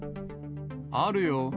あるよ。